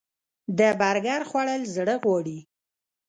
د برګر خوړل زړه غواړي